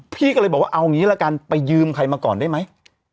พี่ก็เลยบอกว่าเอางี้ละกันไปยืมใครมาก่อนได้ไหม